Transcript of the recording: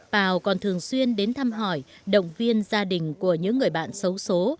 bảo còn thường xuyên đến thăm hỏi động viên gia đình của những người bạn xấu xố